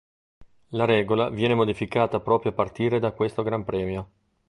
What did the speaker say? La regola viene modificata proprio a partire da questo Gran Premio.